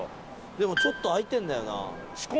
でもちょっと開いてんだよな。